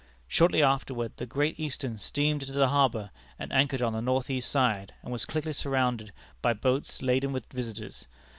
Shortly afterward the Great Eastern steamed into the harbor and anchored on the north east side, and was quickly surrounded by boats laden with visitors.